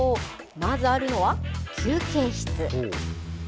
まずあるのは、休憩室。